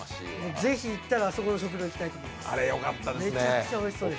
ぜひ行ったら、あそこの食堂に行きたいです。